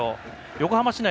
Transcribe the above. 横浜市内